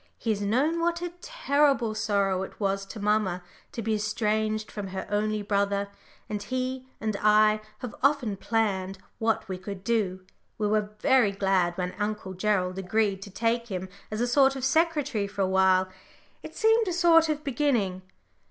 He has known what a terrible sorrow it was to mamma to be estranged from her only brother, and he and I have often planned what we could do. We were very glad when Uncle Gerald agreed to take him as a sort of secretary for a while it seemed a sort of beginning."